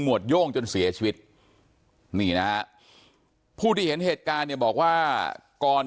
วดโย่งจนเสียชีวิตนี่นะฮะผู้ที่เห็นเหตุการณ์เนี่ยบอกว่าก่อน